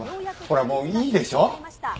ほらもういいでしょ。